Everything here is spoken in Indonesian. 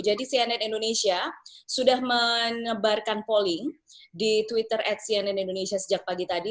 jadi cnn indonesia sudah menyebarkan polling di twitter at cnn indonesia sejak pagi tadi